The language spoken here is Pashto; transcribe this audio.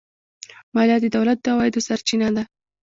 مالیه د دولت د عوایدو سرچینه ده.